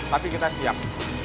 tapi kita siap